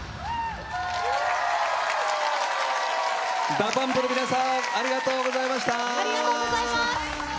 ＤＡＰＵＭＰの皆さんありがとうございました！